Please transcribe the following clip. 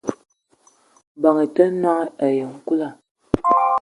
Mbeng i te noong ayi nkoula.